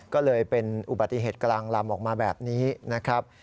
ก็เลยเป็นอุบัติเหตุกลางลำออกมาแบบนี้นะครับ